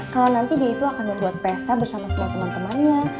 kalau nanti dia itu akan membuat pesta bersama sama teman temannya